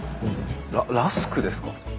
ララスクですか？